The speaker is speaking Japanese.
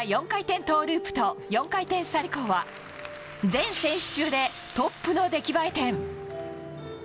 ４回転トウループと４回転サルコウは全選手中でトップの出来栄え点。